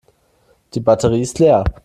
Die Batterie ist leer.